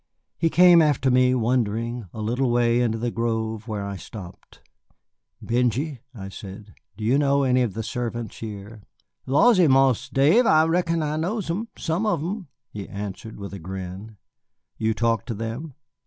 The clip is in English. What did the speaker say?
He came after me, wondering, a little way into the grove, where I stopped. "Benjy," I said, "do you know any of the servants here?" "Lawsy, Marse Dave, I reckon I knows 'em, some of 'em," he answered with a grin. "You talk to them?"